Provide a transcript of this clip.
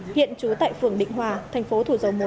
hiện trú tại phường định hòa thành phố thủ dầu một